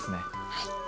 はい。